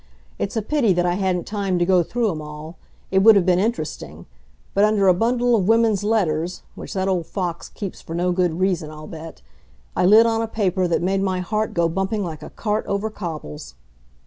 It's a pity that I hadn't time to go through 'em all; it would have been interesting; but under a bundle of women's letters, which that old fox keeps for no good reason, I'll bet, I lit on a paper that made my heart go bumping like a cart over cobbles.